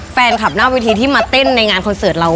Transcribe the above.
แฟนคลับหน้าเวทีที่มาเต้นในงานคอนเสิร์ตเรา